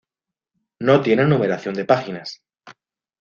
No tiene numeración de páginas.